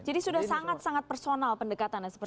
jadi sudah sangat sangat personal pendekatan ya seperti itu